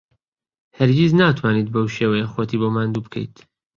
هەرگیز ناتوانیت بەو شێوەیە خۆتی بۆ ماندوو بکەیت.